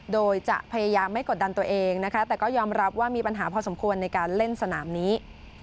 โดยจะพยายามไม่กดดันตัวเองนะคะแต่ก็ยอมรับว่ามีปัญหาพอสมควรในการเล่นสนามนี้